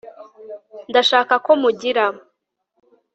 ndashaka ko mugira